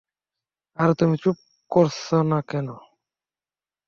আরে তুমি চুপ করছ না কেন?